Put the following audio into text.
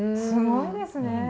すごいですね。